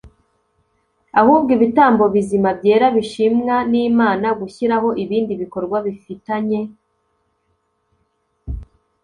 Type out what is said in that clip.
ahubwo ibitambo bizima byera bishimwa nImana Gushyiraho ibindi bikorwa bifitanye